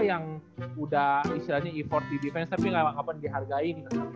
yang udah istilahnya effort di defense tapi memang kapan dihargai